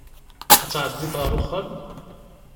Ad tɛeddiḍ ar wexxam.